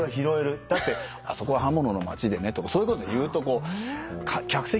だってあそこは刃物の町でねとかそういうこと言うと客席の一部だけ。